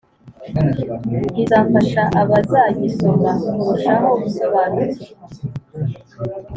bizafasha abazagisoma kurushaho gusobanukirwa.